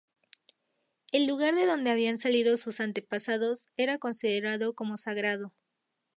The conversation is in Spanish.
El lugar de donde habían salido sus antepasados era considerado como sagrado.